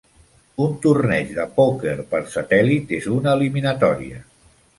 Un torneig de pòquer per satèl·lit és una eliminatòria.